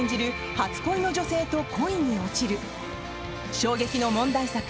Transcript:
初恋の女性と恋に落ちる衝撃の問題作